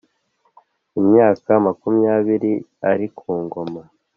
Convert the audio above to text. Imyaka makumyabiri ari ku ngoma